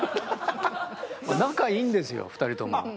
仲いいんですよ２人とも。